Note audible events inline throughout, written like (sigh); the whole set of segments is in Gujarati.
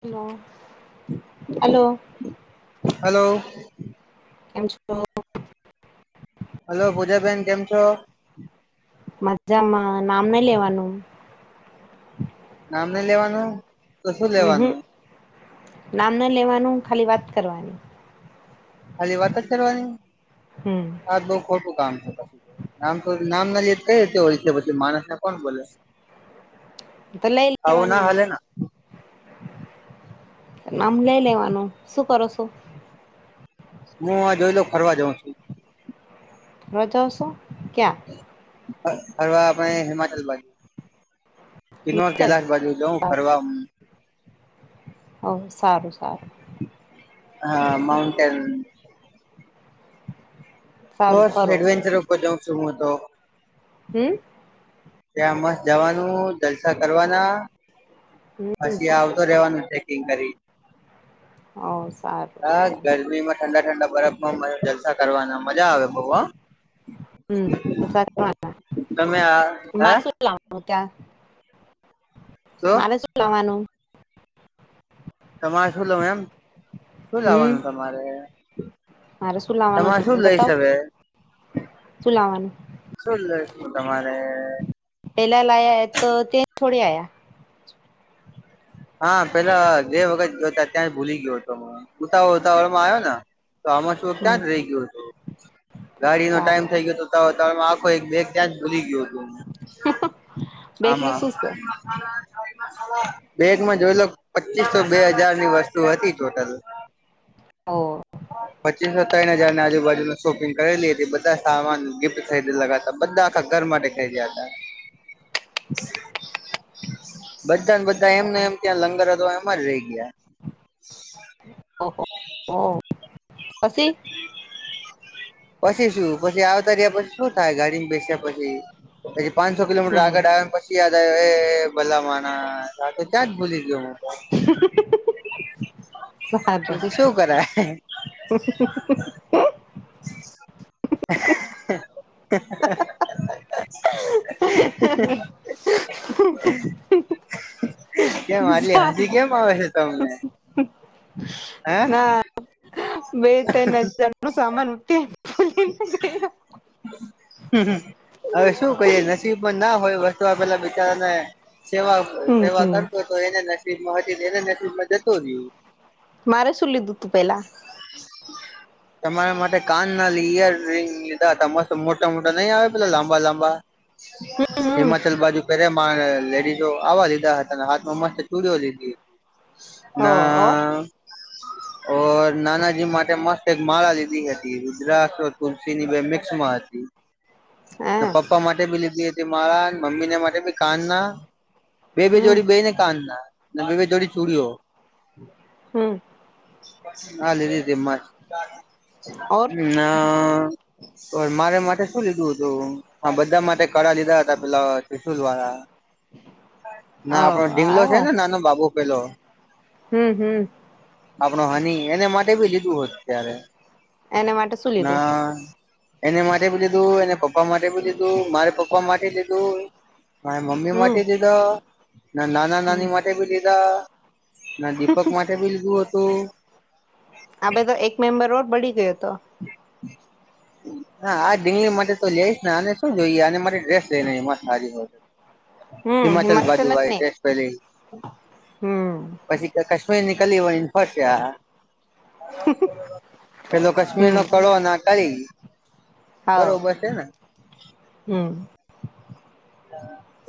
હ હાલો. ઓ તો હલો પૂજા બેેન કેમ છો મજામાં નામ નઈ લેવાનું નામ નઈ લેવાનું તો શું હમ લેવાનું નામ ન લેવાનું ખાલી વાત કરવાની ખાલી વાત જ કરવાની હમ આજ બઉ ખોટું કામ છે પછી નામ તો નામ ના લે કઈ રીતી ઓળખે છે પછી માણસને કોણ બોલે તો લઈ આવું ના લેવાનું નામ હાલે ને નામ લઈ લેવાનું શું કરો છો હું આ જોઈલો ફરવા જઉં છું રજાશો ક્યાં હવા આપને હિમાચલ બાજુ કિનવા ચાલ કેૈલાશ બાજુ જઉ સારું ફરવા હમમ ઓ સારું સારું હા માઉન્ટન્ટેન સારું બસ ફરો એડવેન્ચર ઉપર જાઉં છું હું તો હમ ત્યાં મસ્ત જવાનું જલસા કરવાના હમ પછી આવતો રેવાનું ચેકિંગ કરી હ સારું હા સારું ગરમીમાં ઠંડા ઠંડા બરફમાં મારે જલસા કરવાના મજા આવે બઉ હ હમ જલસા કરવાના. તમે આ હે મારે શું લાવવાનું ત્યાં મારે શું લવાનું તમારે શું લઉ એમ શું હમ લાવવાનું તમારે મારે શું લાવવાનું તમારે તમે શું લઈ બતાવ શું લાવવાનું (unintelligible) શું લઈં તમારે પેલા લાયા તો તે છોડી આયા હા પેલા બે વખત ગયો ત્યાં જ ભૂલી ગયો હતો ઉતાવળ ઉતાવળમાં આવ્યો ને તો આમાં શું હમ ત્યાં જ રહી ગયું હતું ગાડીનો ટાઈમ સારું થઈ ગયો હતો ત આખો એક બેગ ત્યાં ભૂલી ગયો બેગ મે આમા શું છે મા જોઈ લો પચીસો બે હજાર ની વસ્તુ હતી ટોટલ ઓ પચીસ ત્રણ હજાર ની આજુબાજુનું શોપિંગ કરેલી હતી બધા સામાન ગિફ્ટ ખરીદેલા હતા બધા આખા ઘર માટે ખાઈ બધન બધા એમ ને એમ ત્યાં લંગર હતો એમાં જ રઈ ગયા ઓહો ઓ પછી પછી શું પછી આવ તર્યા પછી શું થાય ગાડીમાં બેસ્યા પછી પછી પાંચસો કિલોમીટર હમ આગળ આવ્યા પછી એ ભલા માનાસ આ તો ત્યાં જ ભૂલી ગયો હું (inaudible) સારું પછી શું કરાય (inaudible) (inaudible) કેમ આટલી હસી કેમ આવે છે તમને (inaudible) હે ના બે તન હજારનું સામાન ઉતે (inaudible) હવે શું કરીયે નસીબ પણ ના હોય વસ્તુ પેલા બિચારાને સેવા હમ સેવા હમ કરતો તો એને નસીબ (unintelligible) એના નસીબ માં જતું રહ્યું મારે શું લીધું તું પેલા તમારા માટે કાન ના ઈયર રંગ લીધા હતા મસ્ત મોટા મોટા નહીં આવે પેલા લાંબા લાંબા હમ હિમાચલ બાજુ પહેર્યા માર લેડીઝો આવવા લીધા હતા અને હાથમાં મસ્ત ચુડીઓ લીધી હો ઓર ના ઓ નાનાજી માટે મસ્ત એક માળા લીધી હ રુદ્રાક્ષ તુલસીની બે મિક્સ માં હતી ન હા પપ્પા માટે બી લીધી હતી. મારા મમ્મીને માટે કાન ના બે બે હમ જોડી બે ને કાન ના ન બે બે જોડી છુડયો હમ હા લીધીધી એમાં જ ઓર ના તો મારે માટે શું લીધું હતું બધા માટે કળા લીધા હતા પેલા તિશુલ વાળા (inaudible) ઓ ના આપડો ઢીંગલો છે હા ને નાનો બાબુ પેલો હમ હમ આપણ હની એને માટે ભી લીધું હોત ત્યારે એને માટે શું ના લીધું? એને માટે બી લીધું એને પપ્પા માટે બી લીધું મારે પપ્પા માટે લીધું. મા મમ્મી હમ માટે દીધા ના નાના હમ નાની માટે ભી લીધા. ના દીપક માટે ભી લીધું હતું. આ બધુ એક મેમ્બર ઓર બળી ગયો હતો. (inaudible) હા આ ધિંગલી માટે તો લઈશ ને અને શું જોઈએ અને મારી ડ્રેસ લઈને મસ્ત સારી હોય હમ હિમાચલ બાજુ ને આય (unintelligible) પહેલી હમ પછી કાશ્મીર ની કલી વઇન ફશ્યા પેલો કશ્મીર નો કળો ના કાઇ હા હમ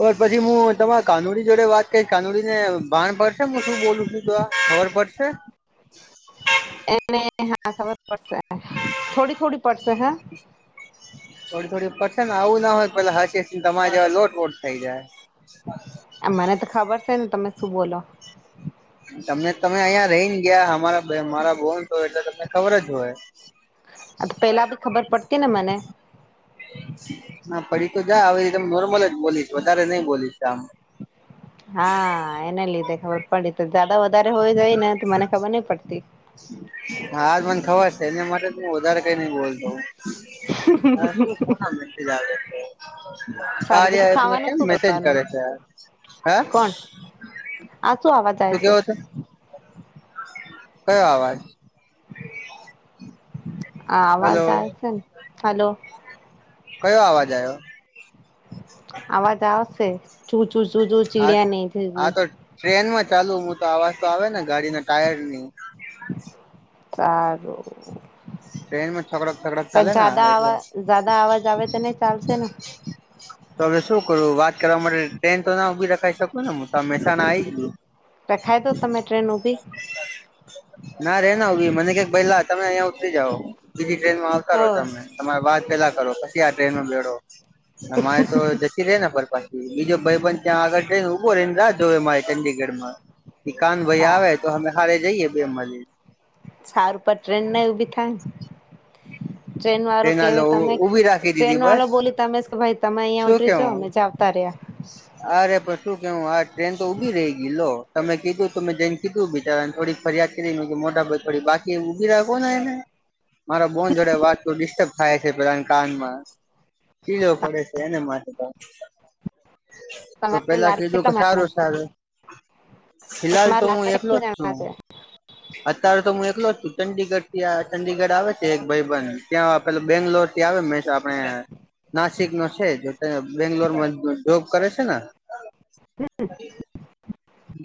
ઓર પછી હું તમારા કાનોડી જોડે વાત કરી કાનુડીને ભાણ પડશે હું શું બોલું છું તો આ ખબર પડશે. (inaudible) એને હા ખબર પડશે થોડી થોડી પડશે હે થોડી થોડી પડશે ને આવું ના હોય પેલા હસી ને તમારી જેવા લોટવોટ થઈ જાય. ફેને તમે શું બોલો તમને તમે અહીંયા રહીને ગયા અમારા મારા બોન તો એટલે તમને ખબર જ હોય. આ તો પેલા ભી ખબર પડતી ને મને ના પડી તો જાય હવ ત નોર્મલ જ બોલીશ વધારે નહી બોલીશ આમ હા એને લીધે ખબર પડી જતાં વ હાજ મને ખબર છે એના માટે હું વધારે કઈ નઈ બોલતો અ શું કોના મેસેજ આવે છે. સારું કાર્ય પછી એપને ખાવાનું કેમ શું મેસેજ કરવાનું કરે છે હે સાય શું છે. કેવો કયો અવાજ હલો આવાજાય છે ને હલો કયો અવાજ આવ્યો આવાજ આવશે. ચૂ ચૂ ચૂ ચૂ હા ચીડિયા નહી થઈ હા તો ટ્રેનમાં ચાલુ તો આવાજ તો આવે ને ગાડીના ટાયર ની તાર ટ્રેન માં છકડક થકડક ચાલે ના જદા એટલે આવા (unintelligible) જદા અવાજ આવે તો નહી ચાલશે ને તો હવે શું કરું વાત કરવા માટે ટ્રેન તો ના ઉભી રખી શકું ને હું તો મહેસાણા આઇ ગુ. રખાય તો તમે ટ્રેન ઉભી ના રે ના હો મને કક પાઈલા તમે અહિયાં ઉતરી જાઓ. બીજી ટ્રેનમાં હ આવતા રહો તમમે તમારે વાત પેલા કરો પછી આ ટ્રેનમાં બેડો. અમારે તો જસી રે ને પર પા બીજો ભાઈબન ત્યાં આગળ જઈને ઉભો ર એને રાહ જોએ મારે ચંંદડીગઢ માં કાન ભાઈ સારું આવે તો અમે હારે જઈએ બે મજ સારું ઉપ ટ્રેન ના એવું બી થાય. ટ્રેન વાળું હાલો કેવાય તમે ઉભી રાખી ટ્રેન દીધી બસ વાળો બોલી તમે કે ભાઈ તમે અહિયાયા શું ઉતરી જા કેવું અમે જાવતા રહ્યા. અરે પ શું કેવું આજ ટ્રેન તો ઉઊભી રહી ગઈ તમે કીધું તમે જઈને કીધું બીચને થોડીક ફરિયાદ કરીને મોટા ભાઈ થોડી બાકી ઉભી રહ કોને એને મારા બોન જોડે વાત તો ડિસ્ટર્બ થાય છે પેલા કાનમાં ખીજો પડે છે એને માટે તો તો તમારા પેલા લાડ કીધું કે કેટલા સારું માણસ છે? સારું ફિહાલ તો તમારા હું લાડ કેટલા એકલો જ છું જણા અત્યારે તો હું એકલો જ છું ચંંદગઢ ત્યાં ચંડીગઢ આવે છે એક ભાઈબન ત્યાં પેલું બેંગ્લોર થી આવે હમેશા આપણે નાસિક નો છે જો ત બેંગ્લોર માં જોબ કરે છે ને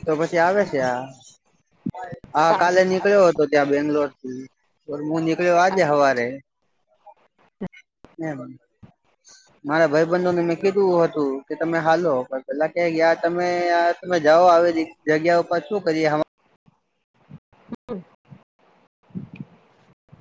તો પછી આવે છે આ હા છે કાલે નીકળ્યો હતો ત્યાં બેંગ્લોર થી હું નીકળ્યો આજે સવારે (unintelligible) મારા ભાઈ બંધને મેં કીધું હતું કે તમે હાલો પણ પેલા ક તમે તમે જાઓ આવે જગ્યા ઉપર શું કરીએ (unintelligible)